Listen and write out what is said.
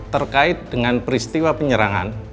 terkait dengan peristiwa penyerangan